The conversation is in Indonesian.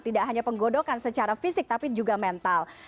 tidak hanya penggodokan secara fisik tapi juga mental